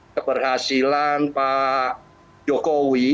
keberhasilan pak jokowi